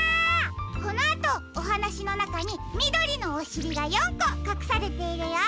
このあとおはなしのなかにみどりのおしりが４こかくされているよ。